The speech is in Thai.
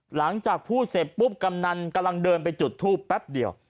หลังจากพูดเสร็จปุ๊บกำนันกำลังเดินไปจุดทูปแป๊บเดียว